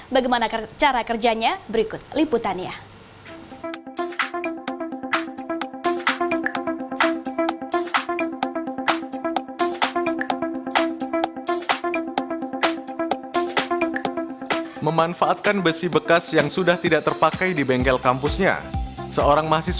bagaimana cara kerjanya berikut liputannya